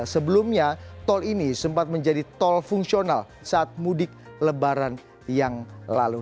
sebelumnya tol ini sempat menjadi tol fungsional saat mudik lebaran yang lalu